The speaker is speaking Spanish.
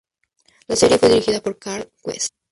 La serie fue dirigida por Carl West.